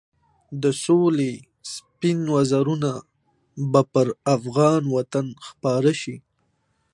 د سولې سپین وزرونه به پر افغان وطن خپاره شي.